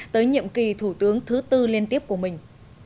tới nhiệm kỳ thủ tướng thứ tư liên tiếp của mình